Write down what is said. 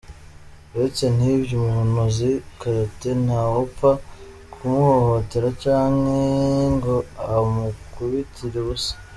"Uretse n'ivyo, umuntu azi karate ntawopfa kumuhohotera canke ngo amukubitire ubusa.